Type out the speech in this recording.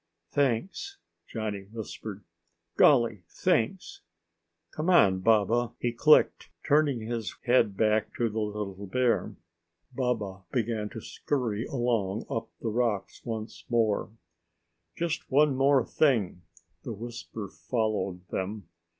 "Thanks," Johnny whispered. "Golly, thanks! Come on, Baba," he clicked, turning his head back to the little bear. Baba began to scurry along up the rocks once more. "Just one thing more," the whisper followed them.